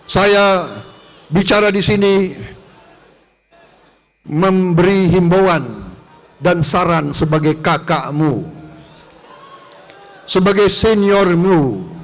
saya bicara di sini memberi himbauan dan saran sebagai kakakmu sebagai seniormu